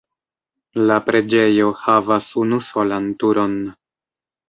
La preĝejo havas unusolan turon.